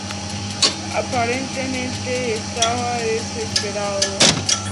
Aparentemente estaba desesperado.